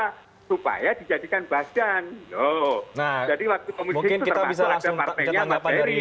mungkin kita bisa langsung ketanggapan dari